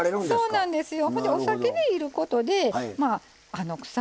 そうなんですよ。